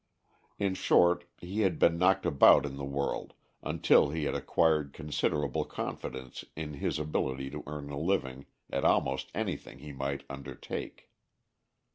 In short, he had been knocked about in the world until he had acquired considerable confidence in his ability to earn a living at almost anything he might undertake.